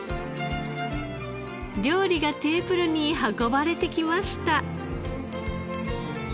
料理がテーブルに運ばれてきました。